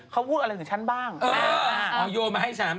เขาพูดอะไรถึงฉันบ้างเอาโยนมาให้ฉัน